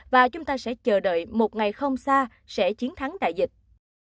và chúng ta sẽ chờ đợi một ngày không xa sẽ chiến thắng đại dịch